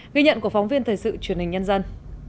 ghi nhận của phóng viên thời sự truyền hình nhân dân